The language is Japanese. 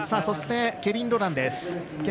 そして、ケビン・ロランです。